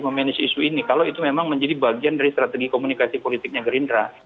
memanage isu ini kalau itu memang menjadi bagian dari strategi komunikasi politiknya gerindra